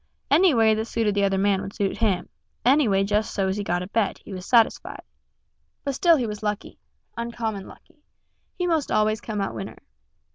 Any way that suited the other man would suit him any way just so's he got a bet, he was satisfied. But still he was lucky, uncommon lucky; he most always come out winner.